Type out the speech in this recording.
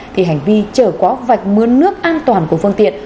thì hành vi chở quá vạch mướn nước an toàn của phương tiện